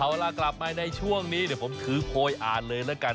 เอาล่ะกลับมาในช่วงนี้เดี๋ยวผมถือโควิดส์อ่านเลยนะครับ